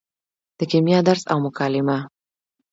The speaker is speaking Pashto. د کیمیا درس او مکالمه